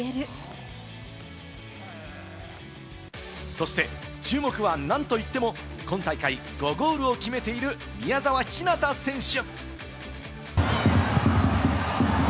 そして注目は何といっても今大会５ゴールを決めている、宮澤ひなた選手。